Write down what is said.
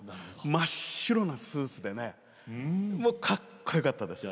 真っ白なスーツでかっこよかったです。